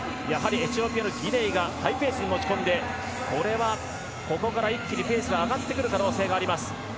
エチオピアのギデイがハイペースで持ち込んでここから一気にペースが上がってくる可能性があります。